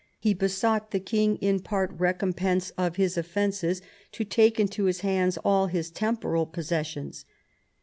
He besought the king, in part recompense of his offences, to take into his hands all his temporal possessions.